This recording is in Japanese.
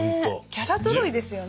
キャラぞろいですよね